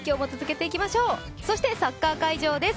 そしてサッカー会場です